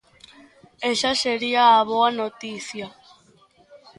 Esa sería a boa noticia.